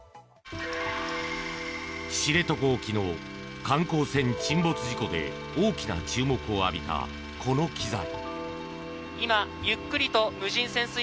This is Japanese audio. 知床沖の観光船沈没事故で大きな注目を浴びたこの機材。